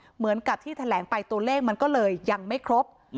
เหมือนกับที่แถลงไปตัวเลขมันก็เลยยังไม่ครบ